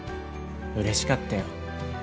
うれしかったよ。